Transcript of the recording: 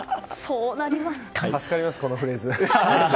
助かります、このフレーズ。